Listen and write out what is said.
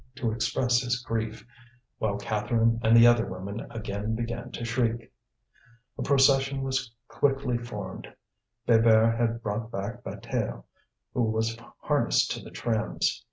to express his grief, while Catherine and the other women again began to shriek. A procession was quickly formed. Bébert had brought back Bataille, who was harnessed to the trams.